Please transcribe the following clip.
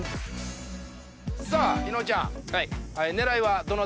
さあ伊野尾ちゃん。